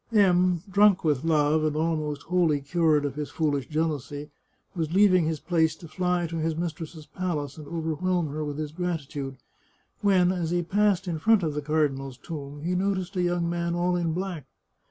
M , drunk with love, and almost wholly cured of his foolish jealousy, was leaving his place to fly to his mis tress's palace and overwhelm her with his gratitude, when, as he passed in front of the cardinal's tomb, he noticed a young man all in black.